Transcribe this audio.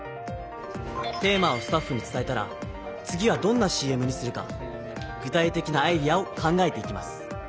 テーマをスタッフにつたえたら次はどんなＣＭにするか具体的なアイデアを考えていきます。